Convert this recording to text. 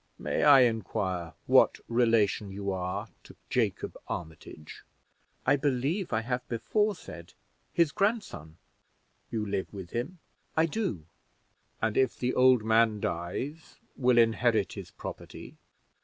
"May I inquire what relation you are to Jacob Armitage?" "I believe I have said before, his grandson." "You live with him?" "I do." "And if the old man dies, will inherit his property?"